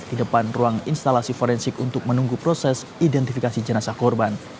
di depan ruang instalasi forensik untuk menunggu proses identifikasi jenazah korban